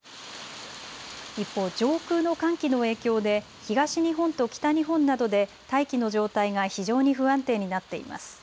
一方、上空の寒気の影響で東日本と北日本などで大気の状態が非常に不安定になっています。